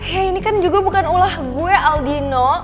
hei ini kan juga bukan ulah gue aldino